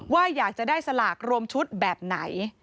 ว่าอยากจะได้สลากรวมชุดแบบไหน